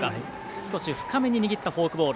少し深めに握ったフォークボール。